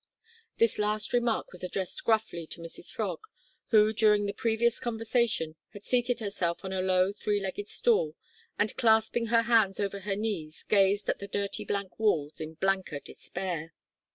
This last remark was addressed gruffly to Mrs Frog, who, during the previous conversation, had seated herself on a low three legged stool, and, clasping her hands over her knees, gazed at the dirty blank walls in blanker despair.